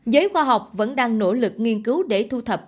giới khoa học vẫn đang nỗ lực nghiên cứu để thu thập